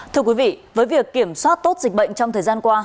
thưa quý vị với việc kiểm soát tốt dịch bệnh trong thời gian qua